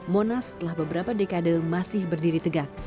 monas telah beberapa dekade masih berdiri tegak